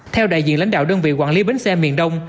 theo đại diện lãnh đạo đơn vị quản lý bến xe miền đông